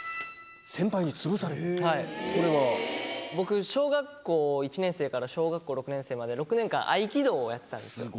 僕小学校１年生から小学校６年生まで６年間合気道をやってたんですよ。